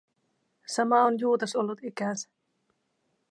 Sama on Juutas ollut ikänsä.